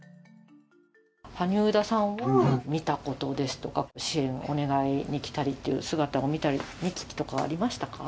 萩生田さんを見たことですとか、支援をお願いに来たりっていう、姿を見たり、見聞きとかありましたか？